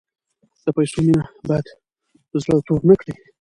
د پیسو مینه باید زړه تور نکړي.